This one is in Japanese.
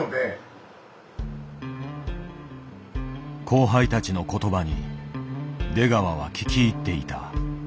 後輩たちの言葉に出川は聞き入っていた。